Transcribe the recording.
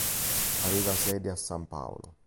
Aveva sede a San Paolo.